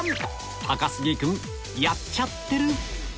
高杉君やっちゃってる！